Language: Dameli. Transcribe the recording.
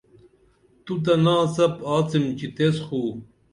تُو تہ ناڅپ آڅِم چِتیس خو